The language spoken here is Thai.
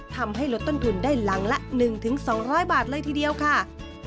ทำให้ลดต้นทุนได้หลังละ๑๒๐๐บาทเลยทีเดียวค่ะ